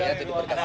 tidak ada tidak ada